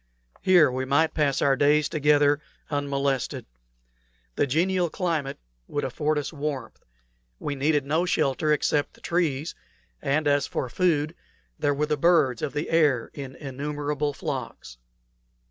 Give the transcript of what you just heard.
Here we might pass our days together unmolested. The genial climate would afford us warmth; we needed no shelter except the trees, and as for food, there were the birds of the air in innumerable flocks.